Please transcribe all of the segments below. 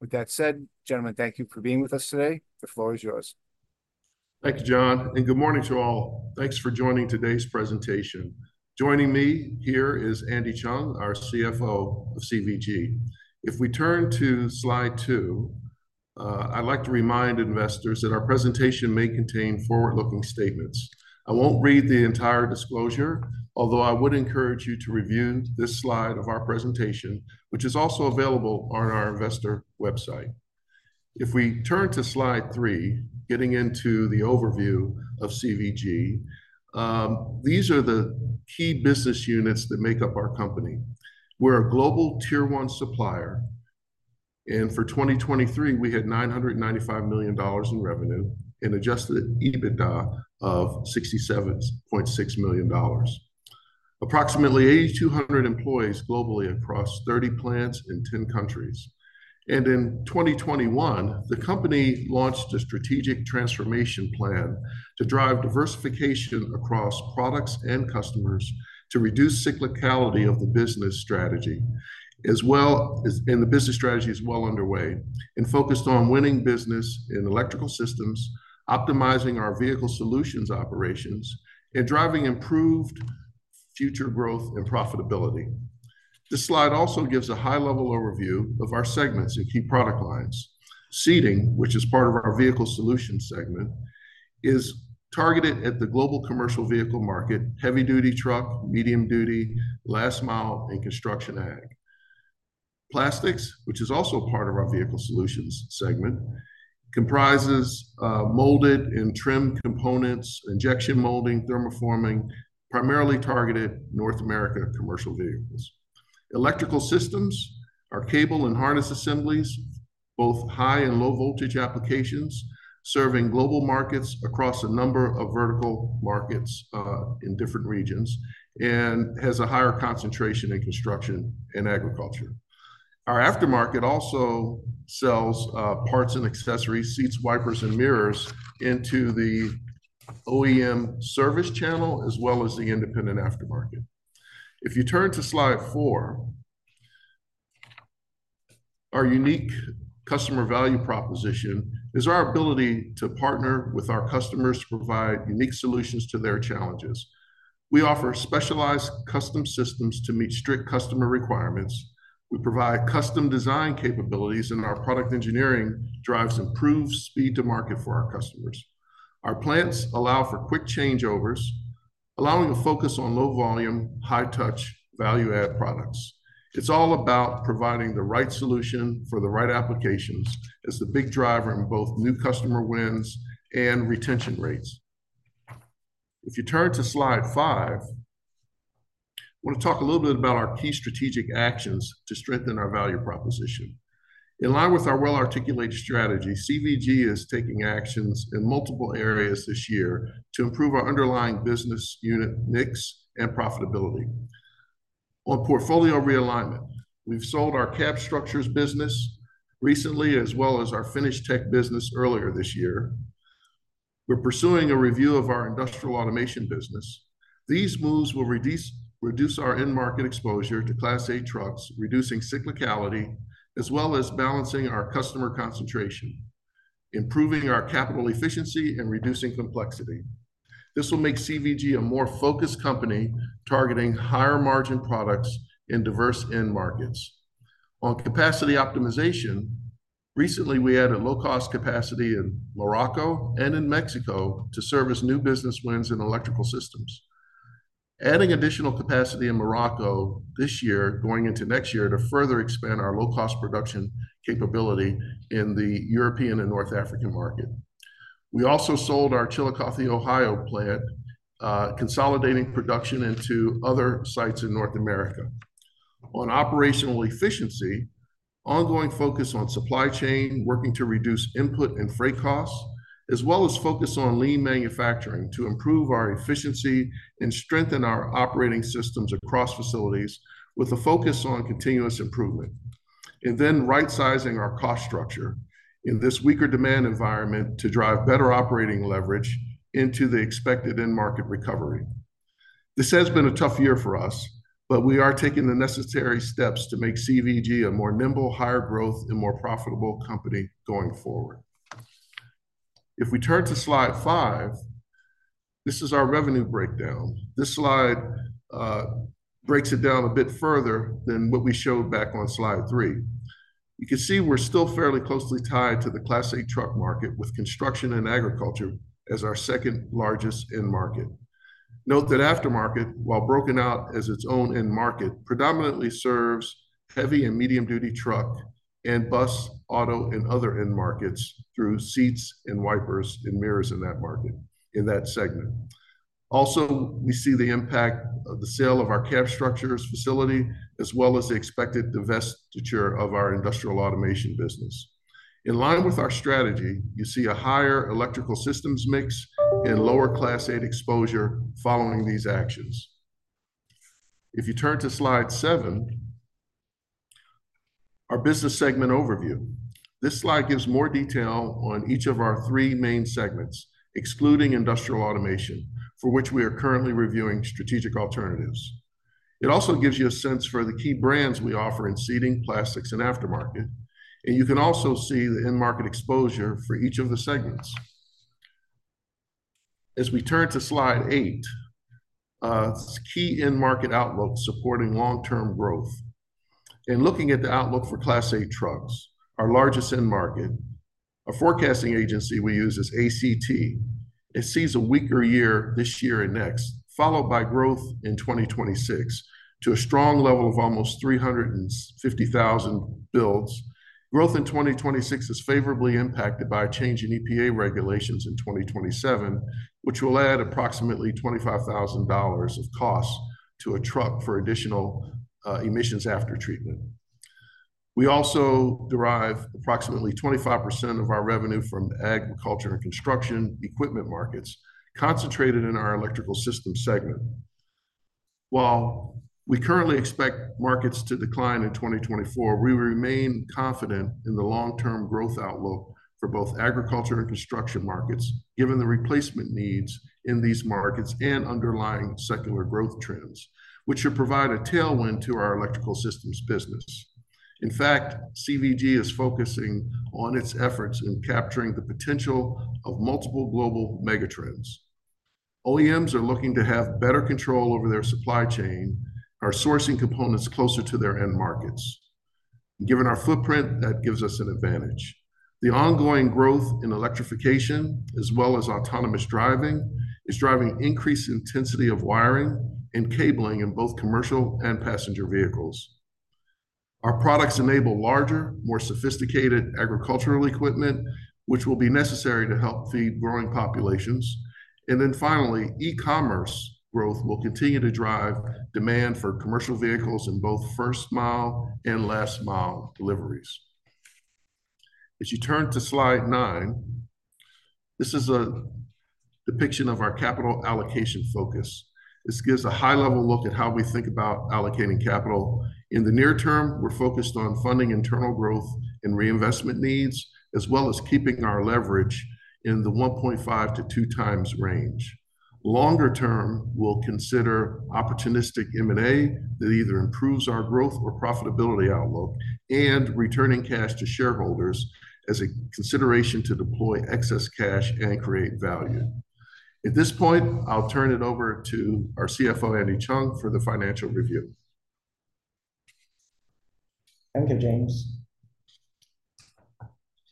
With that said, gentlemen, thank you for being with us today. The floor is yours. Thank you, John, and good morning to all. Thanks for joining today's presentation. Joining me here is Andy Cheung, our CFO of CVG. If we turn to slide two, I'd like to remind investors that our presentation may contain forward-looking statements. I won't read the entire disclosure, although I would encourage you to review this slide of our presentation, which is also available on our investor website. If we turn to slide three, getting into the overview of CVG, these are the key business units that make up our company. We're a global Tier One supplier, and for 2023, we had $995 million in revenue and Adjusted EBITDA of $67.6 million. Approximately 8,200 employees globally across 30 plants in 10 countries. In 2021, the company launched a strategic transformation plan to drive diversification across products and customers to reduce cyclicality of the business strategy, and the business strategy is well underway, and focused on winning business Electrical Systems, optimizing our Vehicle Solutions operations, and driving improved future growth and profitability. This slide also gives a high-level overview of our segments and key product lines. Seating, which is part of our Vehicle Solutions segment, is targeted at the global commercial vehicle market, heavy-duty truck, medium-duty, last mile, ConAg. Plastics, which is also part of our Vehicle Solutions segment, comprises molded and trimmed components, injection molding, thermoforming, primarily targeted North America commercial vehicles. Electrical Systems are cable and harness assemblies, both high and low voltage applications, serving global markets across a number of vertical markets, in different regions, and has a higher concentration in construction and agriculture. Our Aftermarket also sells parts and accessories, seats, wipers, and mirrors into the OEM service channel, as well as the independent Aftermarket. If you turn to slide four, our unique customer value proposition is our ability to partner with our customers to provide unique solutions to their challenges. We offer specialized custom systems to meet strict customer requirements. We provide custom design capabilities, and our product engineering drives improved speed to market for our customers. Our plants allow for quick changeovers, allowing a focus on low volume, high touch, value add products. It's all about providing the right solution for the right applications as the big driver in both new customer wins and retention rates. If you turn to slide five, I want to talk a little bit about our key strategic actions to strengthen our value proposition. In line with our well-articulated strategy, CVG is taking actions in multiple areas this year to improve our underlying business unit mix and profitability. On portfolio realignment, we've sold our Cab Structures business recently, as well as our FinishTek business earlier this year. We're pursuing a review of our Industrial Automation business. These moves will reduce our end market exposure to Class 8 trucks, reducing cyclicality, as well as balancing our customer concentration, improving our capital efficiency, and reducing complexity. This will make CVG a more focused company, targeting higher margin products in diverse end markets. On capacity optimization, recently, we added low-cost capacity in Morocco and in Mexico to service new business wins Electrical Systems. adding additional capacity in Morocco this year, going into next year, to further expand our low-cost production capability in the European and North African market. We also sold our Chillicothe, Ohio, plant, consolidating production into other sites in North America. On operational efficiency, ongoing focus on supply chain, working to reduce input and freight costs, as well as focus on lean manufacturing to improve our efficiency and strengthen our operating systems across facilities, with a focus on continuous improvement. And then, right-sizing our cost structure in this weaker demand environment to drive better operating leverage into the expected end market recovery. This has been a tough year for us, but we are taking the necessary steps to make CVG a more nimble, higher growth, and more profitable company going forward. If we turn to slide five, this is our revenue breakdown. This slide breaks it down a bit further than what we showed back on slide three. You can see we're still fairly closely tied to the Class 8 truck market, with construction and agriculture as our second-largest end market. Note that Aftermarket, while broken out as its own end market, predominantly serves heavy and medium-duty truck and bus, auto, and other end markets through seats and wipers and mirrors in that market, in that segment. Also, we see the impact of the sale of our Cab Structures facility, as well as the expected divestiture of our Industrial Automation business. In line with our strategy, you see a Electrical Systems mix and lower Class 8 exposure following these actions. If you turn to slide seven, our business segment overview. This slide gives more detail on each of our three main segments, excluding Industrial Automation, for which we are currently reviewing strategic alternatives. It also gives you a sense for the key brands we offer in Seating, Plastics, and Aftermarket. And you can also see the end market exposure for each of the segments. As we turn to slide eight, key end market outlook supporting long-term growth. In looking at the outlook for Class 8 trucks, our largest end market, a forecasting agency we use is ACT. It sees a weaker year this year and next, followed by growth in 2026 to a strong level of almost three hundred and fifty thousand builds. Growth in 2026 is favorably impacted by a change in EPA regulations in 2027, which will add approximately $25,000 of cost to a truck for additional emissions aftertreatment. We also derive approximately 25% of our revenue from the agriculture and construction equipment markets, concentrated in Electrical Systems segment. While we currently expect markets to decline in 2024, we remain confident in the long-term growth outlook for both agriculture and construction markets, given the replacement needs in these markets and underlying secular growth trends, which should provide a tailwind to Electrical Systems business. In fact, CVG is focusing on its efforts in capturing the potential of multiple global megatrends. OEMs are looking to have better control over their supply chain, are sourcing components closer to their end markets. Given our footprint, that gives us an advantage. The ongoing growth in electrification, as well as autonomous driving, is driving increased intensity of wiring and cabling in both commercial and passenger vehicles. Our products enable larger, more sophisticated agricultural equipment, which will be necessary to help feed growing populations. And then finally, e-commerce growth will continue to drive demand for commercial vehicles in both first mile and last mile deliveries. As you turn to slide nine, this is a depiction of our capital allocation focus. This gives a high-level look at how we think about allocating capital. In the near term, we're focused on funding internal growth and reinvestment needs, as well as keeping our leverage in the one point five to two times range. Longer term, we'll consider opportunistic M&A that either improves our growth or profitability outlook, and returning cash to shareholders as a consideration to deploy excess cash and create value. At this point, I'll turn it over to our CFO, Andy Cheung, for the financial review. Thank you, James.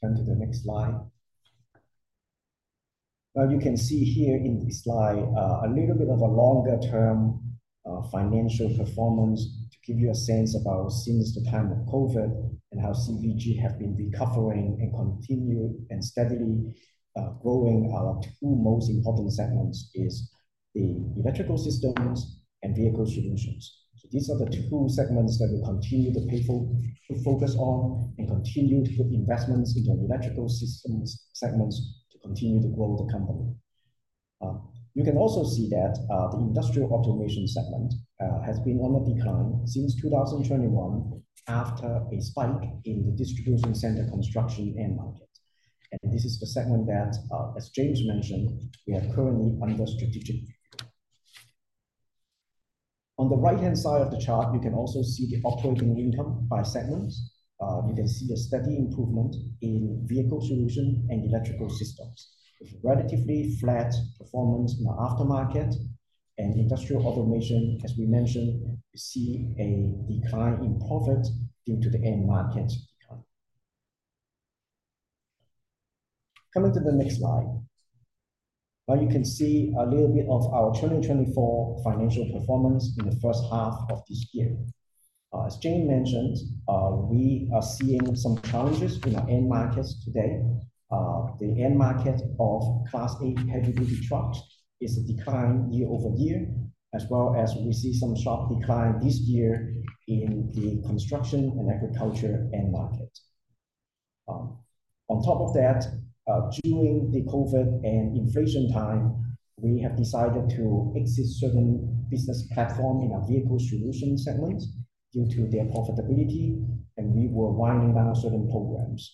Turn to the next slide. Now, you can see here in this slide, a little bit of a longer-term, financial performance to give you a sense about since the time of COVID, and how CVG have been recovering and continue, and steadily, growing. Our two most important segments is Electrical Systems and Vehicle Solutions. So these are the two segments that we continue to pay to focus on, and continue to put investments Electrical Systems segments to continue to grow the company. You can also see that, the Industrial Automation segment, has been on a decline since two thousand and twenty-one, after a spike in the distribution center construction end market. And this is the segment that, as James mentioned, we have currently under strategic. On the right-hand side of the chart, you can also see the operating income by segments. You can see a steady improvement in Vehicle Solutions Electrical Systems, with relatively flat performance in the Aftermarket, and Industrial Automation, as we mentioned, we see a decline in profit due to the end market decline. Coming to the next slide. Now, you can see a little bit of our 2024 financial performance in the first half of this year. As James mentioned, we are seeing some challenges in our end markets today. The end market of Class 8 heavy-duty trucks is declining year-over-year, as well as we see some sharp decline this year in the construction and agriculture end market. On top of that, during the COVID and inflation time, we have decided to exit certain business platform in our Vehicle Solutions segments due to their profitability, and we were winding down certain programs.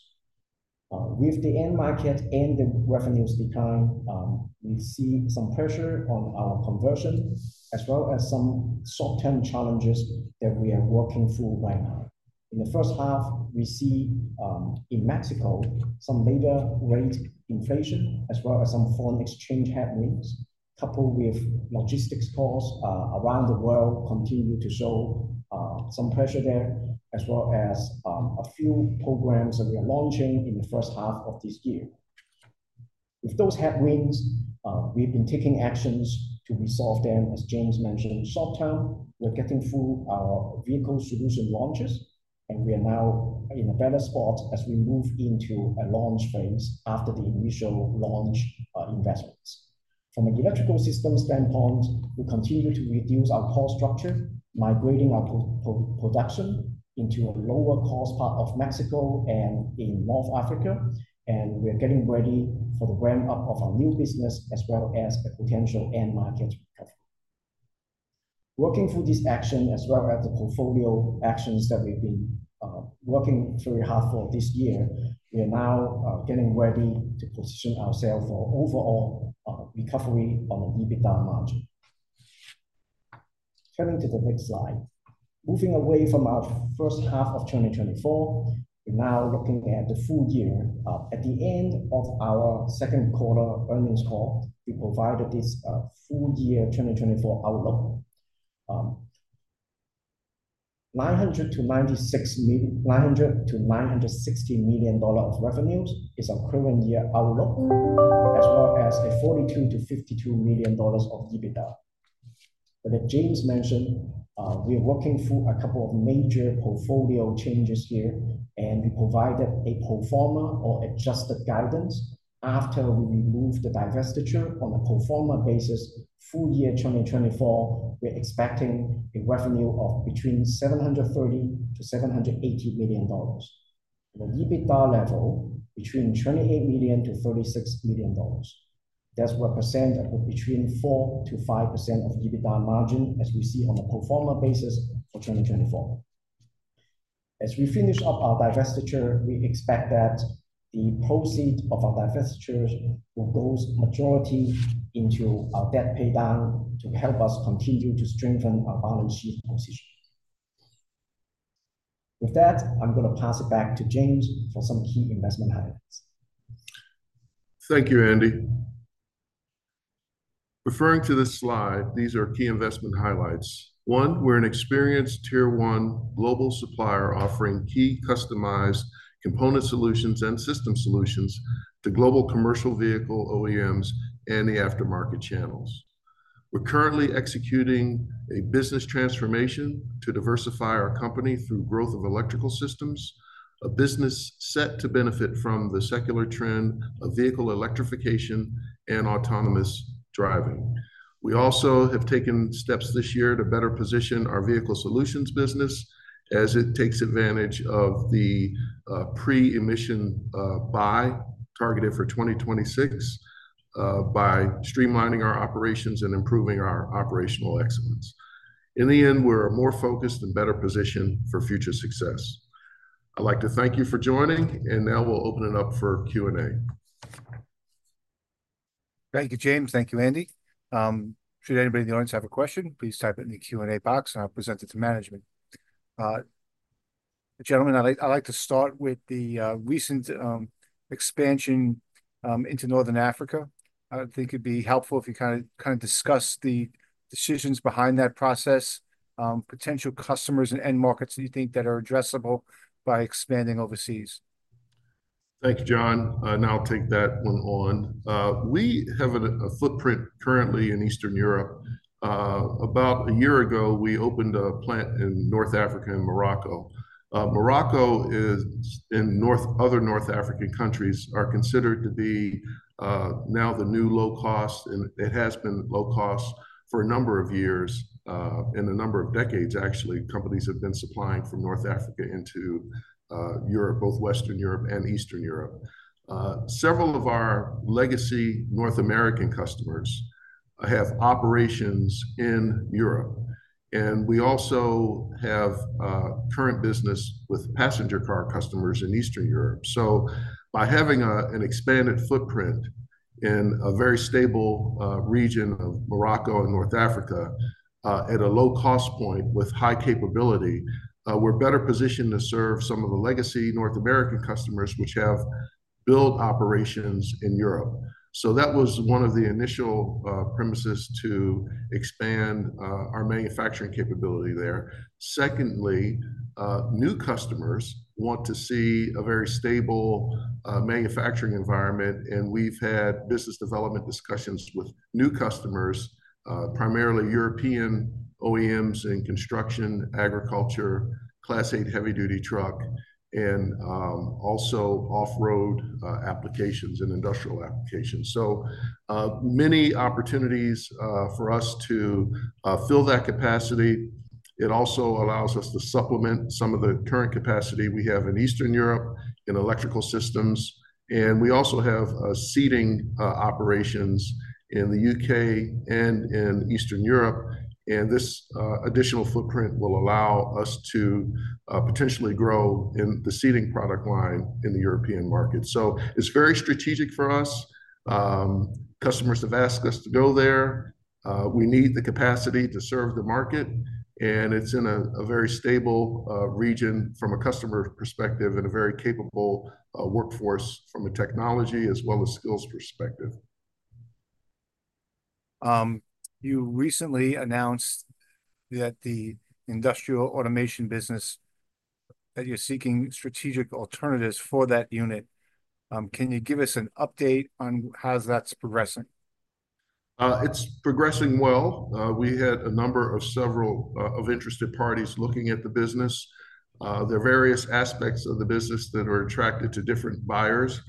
With the end market and the revenues decline, we see some pressure on our conversion, as well as some short-term challenges that we are working through right now. In the first half, we see in Mexico some labor rate inflation, as well as some foreign exchange headwinds, coupled with logistics costs around the world continue to show some pressure there, as well as a few programs that we are launching in the first half of this year. With those headwinds, we've been taking actions to resolve them. As James mentioned, short term, we're getting through our vehicle solution launches, and we are now in a better spot as we move into a launch phase after the initial launch investments. From an Electrical Systems standpoint, we continue to reduce our cost structure, migrating our production into a lower cost part of Mexico and in North Africa, and we are getting ready for the ramp-up of our new business, as well as a potential end market recovery. Working through this action, as well as the portfolio actions that we've been working through half of this year, we are now getting ready to position ourselves for overall recovery on the EBITDA margin. Turning to the next slide. Moving away from our first half of 2024, we're now looking at the full year. At the end of our second quarter earnings call, we provided this full year 2024 outlook. Nine hundred to nine hundred and sixty million dollars revenues is our current year outlook, as well as $42 million-$52 million of EBITDA. But as James mentioned, we are working through a couple of major portfolio changes here, and we provided a pro forma or adjusted guidance. After we remove the divestiture on a pro forma basis, full year 2024, we're expecting a revenue of between $730 million-$780 million. The EBITDA level between $28 million-$36 million. That's represented between 4%-5% of EBITDA margin, as we see on a pro forma basis for 2024. As we finish up our divestiture, we expect that the proceeds of our divestiture will go the majority into our debt pay down to help us continue to strengthen our balance sheet position. With that, I'm gonna pass it back to James for some key investment highlights. Thank you, Andy. Referring to this slide, these are key investment highlights. One, we're an experienced Tier One global supplier, offering key customized component solutions and system solutions to global commercial vehicle OEMs and the Aftermarket channels. We're currently executing a business transformation to diversify our company through growth Electrical Systems, a business set to benefit from the secular trend of vehicle electrification and autonomous driving. We also have taken steps this year to better position our Vehicle Solutions business as it takes advantage of the pre-buy targeted for 2026 by streamlining our operations and improving our operational excellence. In the end, we're more focused and better positioned for future success. I'd like to thank you for joining, and now we'll open it up for Q&A. Thank you, James. Thank you, Andy. Should anybody in the audience have a question, please type it in the Q&A box, and I'll present it to management. Gentlemen, I'd like to start with the recent expansion into North Africa. I think it'd be helpful if you kinda discuss the decisions behind that process, potential customers and end markets that you think are addressable by expanding overseas. Thank you, John, and I'll take that one on. We have a footprint currently in Eastern Europe. About a year ago, we opened a plant in North Africa, in Morocco. Morocco is, and other North African countries are considered to be now the new low cost, and it has been low cost for a number of years, and a number of decades, actually, companies have been supplying from North Africa into Europe, both Western Europe and Eastern Europe. Several of our legacy North American customers have operations in Europe, and we also have current business with passenger car customers in Eastern Europe. So by having an expanded footprint in a very stable region of Morocco and North Africa at a low cost point with high capability, we're better positioned to serve some of the legacy North American customers, which have build operations in Europe. So that was one of the initial premises to expand our manufacturing capability there. Secondly, new customers want to see a very stable manufacturing environment, and we've had business development discussions with new customers, primarily European OEMs in construction, agriculture, Class 8 heavy duty truck, and also off-road applications and industrial applications. So, many opportunities for us to fill that capacity. It also allows us to supplement some of the current capacity we have in Eastern Europe Electrical Systems, and we also have a Seating operations in the U.K. and in Eastern Europe, and this additional footprint will allow us to potentially grow in the Seating product line in the European market. So it's very strategic for us. Customers have asked us to go there. We need the capacity to serve the market, and it's in a very stable region from a customer perspective and a very capable workforce from a technology as well as skills perspective. You recently announced that the Industrial Automation business, that you're seeking strategic alternatives for that unit. Can you give us an update on how that's progressing? It's progressing well. We had a number of several of interested parties looking at the business. There are various aspects of the business that are attracted to different buyers.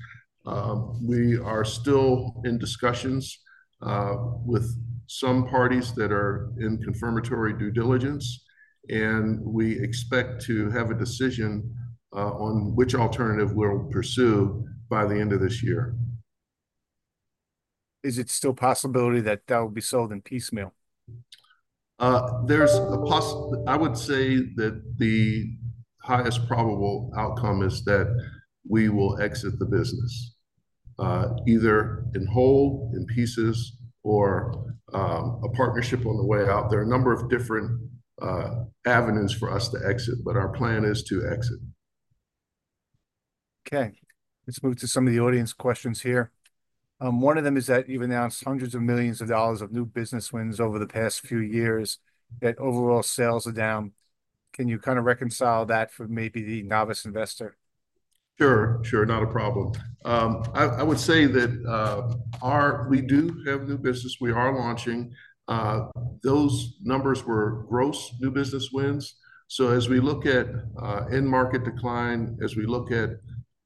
We are still in discussions with some parties that are in confirmatory due diligence, and we expect to have a decision on which alternative we'll pursue by the end of this year. Is it still a possibility that that will be sold in piecemeal? There's a possibility I would say that the highest probable outcome is that we will exit the business, either in whole, in pieces, or a partnership on the way out. There are a number of different avenues for us to exit, but our plan is to exit. Okay, let's move to some of the audience questions here. One of them is that you've announced hundreds of millions of new business wins over the past few years, yet overall sales are down. Can you kind of reconcile that for maybe the novice investor? Sure, sure, not a problem. I would say that we do have new business we are launching. Those numbers were gross new business wins. So as we look at end market decline, as we look at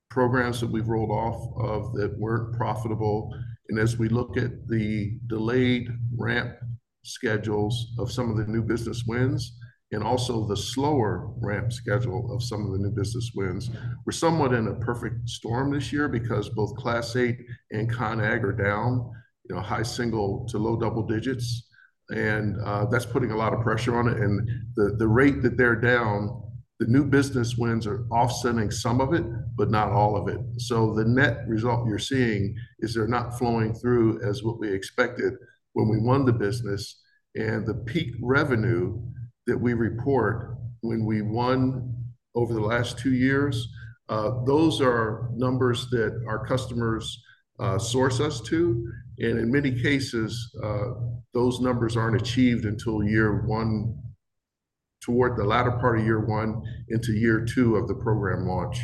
programs that we've rolled off of that weren't profitable, and as we look at the delayed ramp schedules of some of the new business wins, and also the slower ramp schedule of some of the new business wins, we're somewhat in a perfect storm this year because both Class 8 ConAg are down, you know, high single to low double digits, and that's putting a lot of pressure on it. And the rate that they're down, the new business wins are offsetting some of it, but not all of it. So the net result you're seeing is they're not flowing through as what we expected when we won the business. And the peak revenue that we report when we won over the last two years, those are numbers that our customers source us to. And in many cases, those numbers aren't achieved until year one, toward the latter part of year one into year two of the program launch.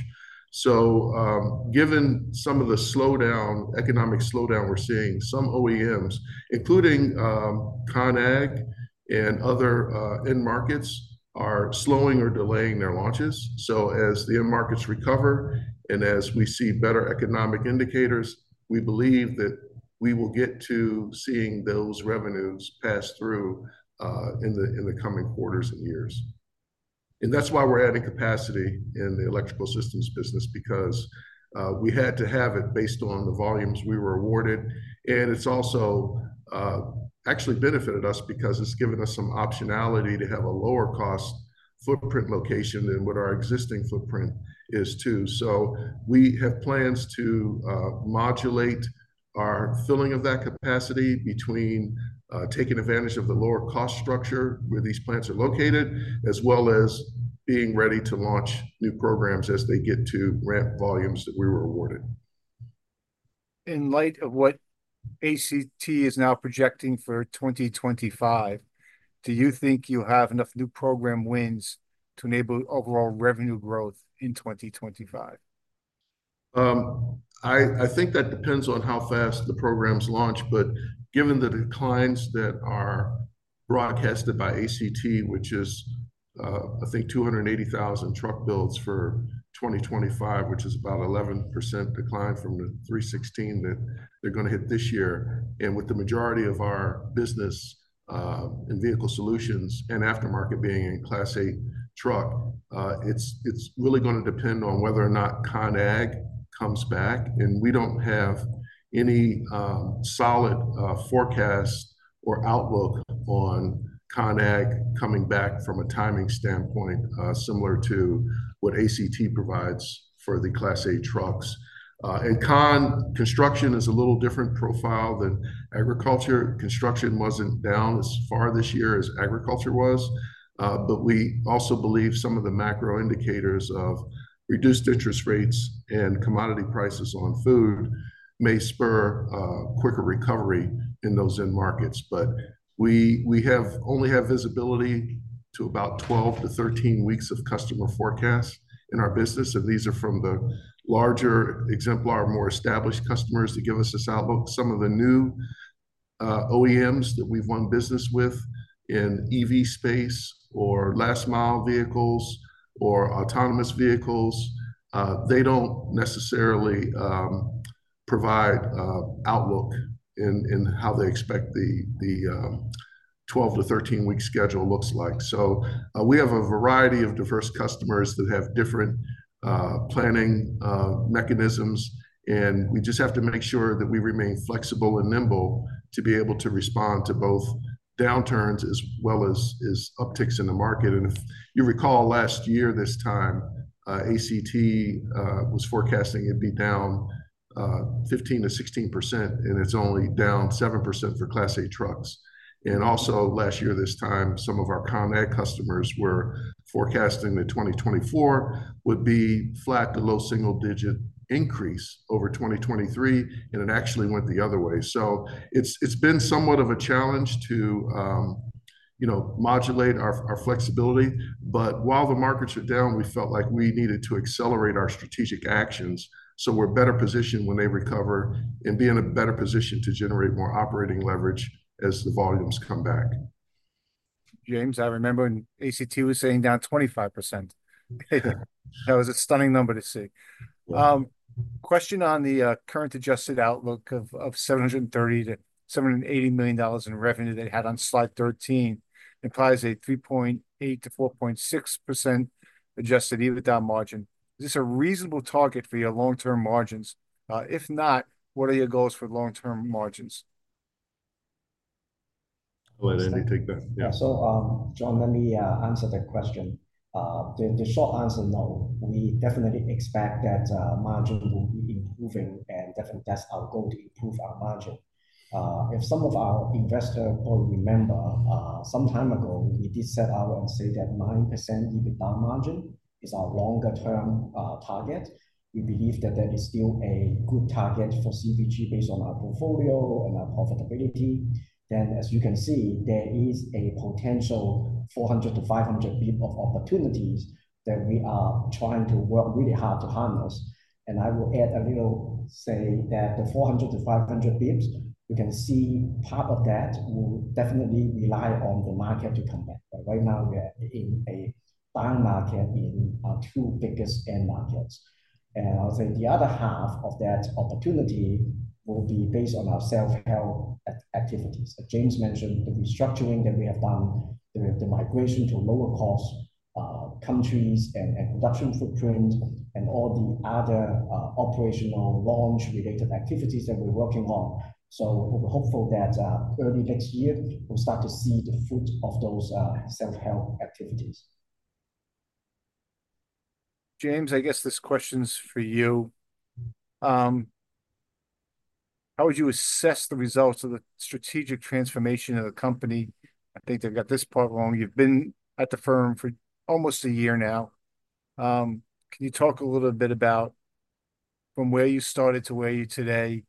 So, given some of the slowdown, economic slowdown we're seeing, some OEMs, ConAg and other end markets, are slowing or delaying their launches. So as the end markets recover and as we see better economic indicators, we believe that we will get to seeing those revenues pass through in the coming quarters and years. That's why we're adding capacity in Electrical Systems business, because we had to have it based on the volumes we were awarded. It's also actually benefited us because it's given us some optionality to have a lower cost footprint location than what our existing footprint is, too. We have plans to modulate our filling of that capacity between taking advantage of the lower cost structure where these plants are located, as well as being ready to launch new programs as they get to ramp volumes that we were awarded. In light of what ACT is now projecting for 2025, do you think you have enough new program wins to enable overall revenue growth in 2025? I think that depends on how fast the programs launch. But given the declines that are broadcasted by ACT, which is, I think, 280,000 truck builds for 2025, which is about 11% decline from the 316,000 that they're gonna hit this year. And with the majority of our business in Vehicle Solutions and Aftermarket being in Class 8 truck, it's really gonna depend on whether or ConAg comes back. And we don't have any solid forecast or outlook ConAg coming back from a timing standpoint, similar to what ACT provides for the Class 8 trucks, and construction is a little different profile than agriculture. Construction wasn't down as far this year as agriculture was. But we also believe some of the macro indicators of reduced interest rates and commodity prices on food may spur quicker recovery in those end markets. But we only have visibility to about 12-13 weeks of customer forecast in our business, and these are from the larger exemplar, more established customers that give us this outlook. Some of the new OEMs that we've won business with in EV space or last mile vehicles or autonomous vehicles, they don't necessarily provide outlook in how they expect the 12 or 13 week schedule looks like. So, we have a variety of diverse customers that have different planning mechanisms, and we just have to make sure that we remain flexible and nimble to be able to respond to both downturns as well as upticks in the market. And if you recall last year this time, ACT was forecasting it'd be down 15%-16%, and it's only down 7% for Class 8 trucks. And also last year this time, some of ConAg customers were forecasting that 2024 would be flat to low single-digit increase over 2023, and it actually went the other way. So it's been somewhat of a challenge to you know modulate our flexibility, but while the markets are down, we felt like we needed to accelerate our strategic actions so we're better positioned when they recover and be in a better position to generate more operating leverage as the volumes come back. James, I remember when ACT was saying down 25%. That was a stunning number to see. Well Question on the current adjusted outlook of $730 million-$780 million in revenue they had on slide 13, implies a 3.8%-4.6% Adjusted EBITDA margin. Is this a reasonable target for your long-term margins? If not, what are your goals for long-term margins? Go ahead, Andy, take that. Yeah, so, John, let me answer that question. The short answer, no. We definitely expect that margin will be improving, and definitely that's our goal, to improve our margin. If some of our investor pool remember, some time ago, we did set out and say that 9% EBITDA margin is our longer-term target. We believe that that is still a good target for CVG based on our portfolio and our profitability. Then, as you can see, there is a potential 400-500 basis points of opportunities that we are trying to work really hard to harness. And I will add a little, say, that the 400-500 basis points, you can see part of that will definitely rely on the market to come back. But right now, we are in a down market in our two biggest end markets. And I'll say the other half of that opportunity will be based on our self-help activities. As James mentioned, the restructuring that we have done, the migration to lower-cost countries and production footprint, and all the other operational launch-related activities that we're working on. So we're hopeful that early next year, we'll start to see the fruit of those self-help activities. James, I guess this question's for you. How would you assess the results of the strategic transformation of the company? I think they've got this part wrong. You've been at the firm for almost a year now. Can you talk a little bit about from where you started to where you are today,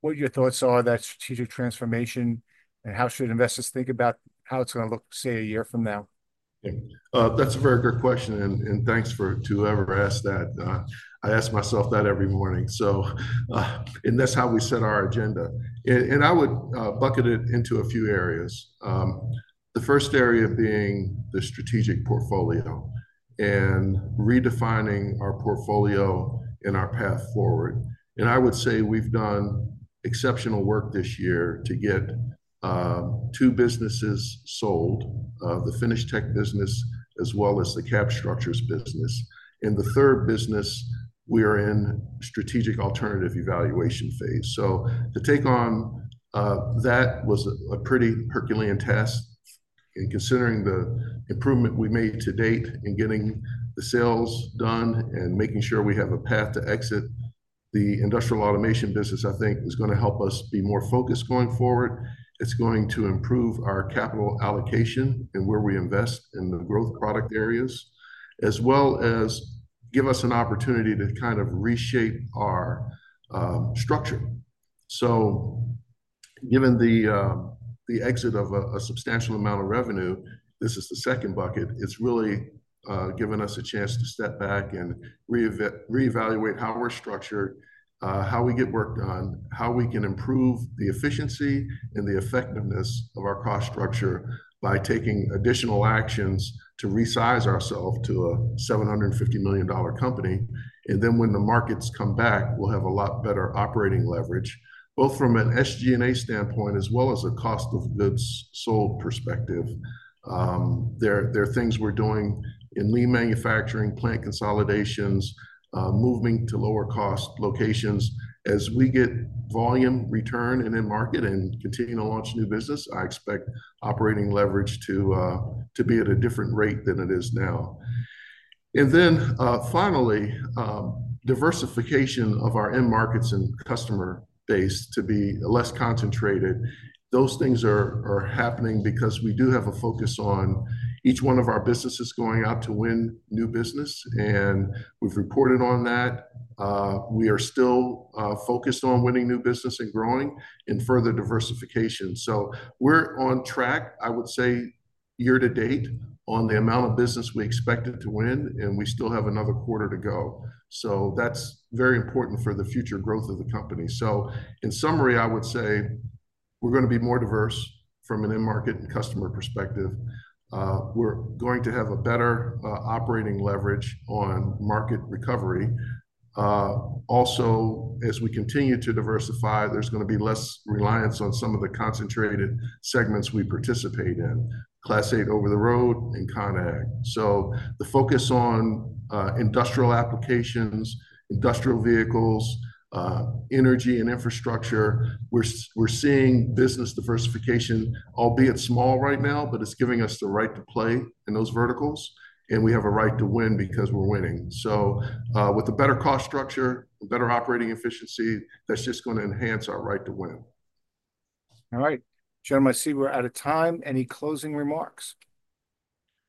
what your thoughts are of that strategic transformation, and how should investors think about how it's gonna look, say, a year from now? And that's a very good question, and thanks to whoever asked that. I ask myself that every morning, so and that's how we set our agenda. And I would bucket it into a few areas. The first area being the strategic portfolio and redefining our portfolio and our path forward. And I would say we've done exceptional work this year to get two businesses sold, the FinishTek business, as well as the Cab Structures business. In the third business, we are in strategic alternative evaluation phase. So to take on that was a pretty Herculean task. And considering the improvement we made to date in getting the sales done and making sure we have a path to exit the Industrial Automation business, I think is gonna help us be more focused going forward. It's going to improve our capital allocation and where we invest in the growth product areas, as well as give us an opportunity to kind of reshape our structure, so given the exit of a substantial amount of revenue, this is the second bucket, it's really given us a chance to step back and reevaluate how we're structured, how we get work done, how we can improve the efficiency and the effectiveness of our cost structure by taking additional actions to resize ourselves to a $750 million company, and then when the markets come back, we'll have a lot better operating leverage, both from an SG&A standpoint as well as a cost of goods sold perspective. There are things we're doing in lean manufacturing, plant consolidations, moving to lower-cost locations. As we get volume return and in market and continue to launch new business, I expect operating leverage to be at a different rate than it is now. And then, finally, diversification of our end markets and customer base to be less concentrated. Those things are happening because we do have a focus on each one of our businesses going out to win new business, and we've reported on that. We are still focused on winning new business and growing and further diversification. So we're on track, I would say, year to date, on the amount of business we expected to win, and we still have another quarter to go. So that's very important for the future growth of the company. So in summary, I would say we're gonna be more diverse from an end market and customer perspective. We're going to have a better operating leverage on market recovery. Also, as we continue to diversify, there's gonna be less reliance on some of the concentrated segments we participate in, Class 8 over-the-road ConAg. so the focus on industrial applications, industrial vehicles, energy and infrastructure, we're seeing business diversification, albeit small right now, but it's giving us the right to play in those verticals, and we have a right to win because we're winning. So, with a better cost structure, a better operating efficiency, that's just gonna enhance our right to win. All right. Gentlemen, I see we're out of time. Any closing remarks?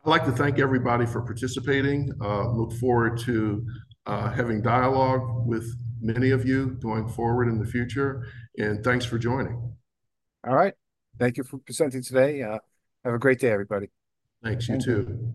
I'd like to thank everybody for participating. Look forward to having dialogue with many of you going forward in the future, and thanks for joining. All right. Thank you for presenting today. Have a great day, everybody. Thanks, you too.